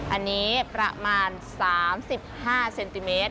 อันนี้ประมาณ๓๕เซนติเมตร